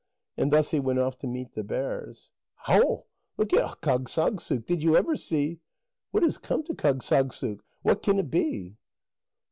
And thus he went off to meet the bears. "Hau! Look at Kâgssagssuk. Did you ever see...." "What is come to Kâgssagssuk; what can it be?"